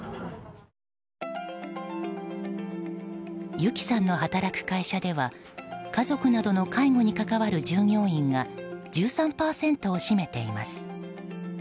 ゆきさんの働く会社では家族などの介護に関わる従業員が１３％を占めています。